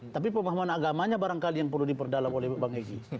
tapi pemahaman agamanya barangkali yang perlu diperdalam oleh bang egy